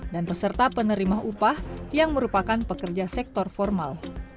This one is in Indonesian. peserta penerima upah yang merupakan pekerja sektor formal